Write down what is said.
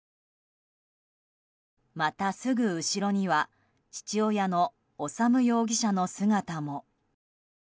また、すぐ後ろには父親の修容疑者の姿も。